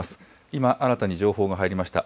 今、新たに情報が入りました。